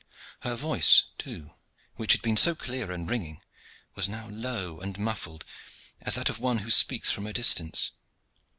Her voice, too, which had been so clear and ringing, was now low and muffled as that of one who speaks from a distance.